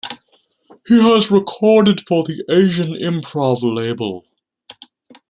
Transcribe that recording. He has recorded for the Asian Improv label.